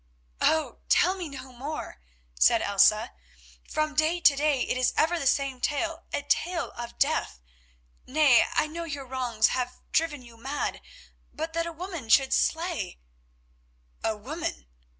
"Oh! tell me no more," said Elsa. "From day to day it is ever the same tale, a tale of death. Nay, I know your wrongs have driven you mad, but that a woman should slay——" "A woman!